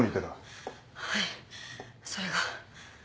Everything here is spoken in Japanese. はいそれが。